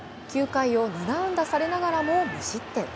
９回を７安打されながらも無失点。